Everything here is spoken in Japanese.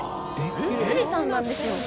富士山なんですよ